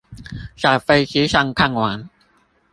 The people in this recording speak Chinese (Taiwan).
在飛機上看完